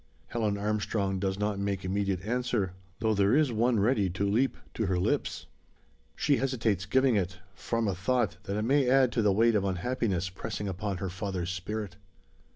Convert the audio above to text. Helen Armstrong does not make immediate answer, though there is one ready to leap to her lips. She hesitates giving it, from a thought, that it may add to the weight of unhappiness pressing upon her father's spirit.